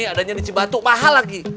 adanya di cibatu mahal lagi